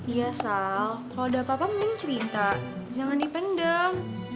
iya sal kalo udah apa apa mending cerita jangan dipendam